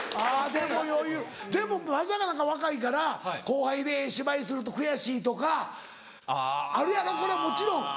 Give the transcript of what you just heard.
でも松坂なんか若いから後輩でええ芝居すると悔しいとかあるやろこれはもちろん。